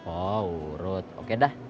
oh urut oke dah